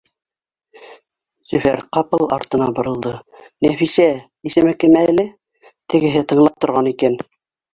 Зөфәр ҡапыл артына боролдо: Нәфисә, исеме кем әле? Тегеһе тыңлап торған икән: